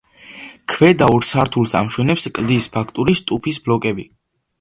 ქვედა ორ სართულს ამშვენებს კლდის ფაქტურის ტუფის ბლოკები.